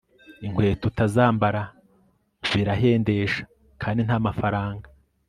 inkweto utazambara birahendesha kandi ntamafaranga